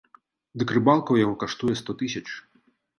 Дык рыбалка ў яго каштуе сто тысяч.